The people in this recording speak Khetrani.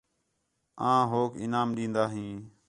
آں ہوک انعام ݙین٘دا ہیں